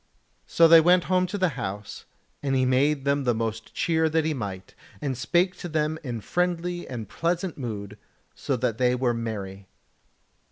So they went home to the house, and he made them the most cheer that he might, and spake to them in friendly and pleasant mood, so that they were merry.